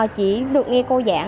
chỉ được nghe cô giảng